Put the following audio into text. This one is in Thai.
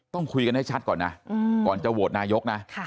ต้องคุยกันให้ชัดก่อนนะก่อนจะโหวตนายกนะ